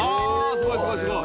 すごいすごいすごい！